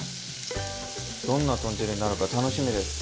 どんな豚汁になるか楽しみです。